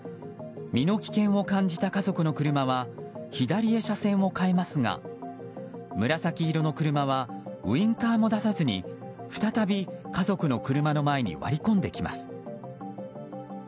身の危険を感じた家族の車は左へ車線を変えますが紫色の車はウィンカーも出さずに再び家族の車の前に割り込んできます。